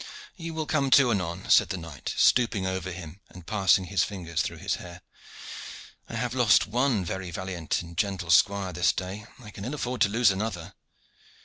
"He will come to anon," said the knight, stooping over him and passing his fingers through his hair. "I have lost one very valiant and gentle squire this day. I can ill afford to lose another.